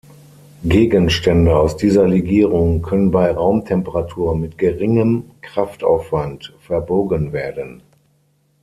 Gegenstände aus dieser Legierung können bei Raumtemperatur mit geringem Kraftaufwand verbogen werden.